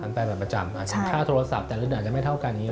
ผันแปลแบบประจำค่าโทรศัพท์แต่ละเดือนอาจจะไม่เท่ากันนี้